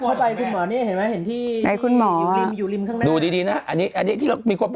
เห็นไหมเห็นที่ไหนคุณหมออยู่ริมข้างหน้าดูดีนะอันนี้อันนี้ที่เรามีกว่า